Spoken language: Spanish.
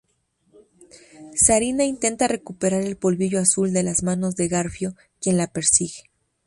Zarina intenta recuperar el polvillo azul de las manos de Garfio quien la persigue.